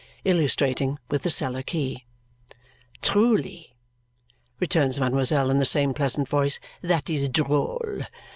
Illustrating with the cellar key. "Truly?" returns mademoiselle in the same pleasant voice. "That is droll!